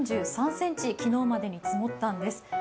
１３３ｃｍ、昨日までに積もったんです。